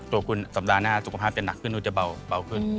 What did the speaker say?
ตัวคุณสัปดาห์หน้าสุขภาพจะหนักขึ้นก็จะเบาขึ้น